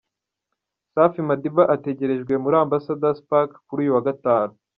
Safi Madiba ategerejwe muri Ambassador's Park kuri uyu wa Gatanu.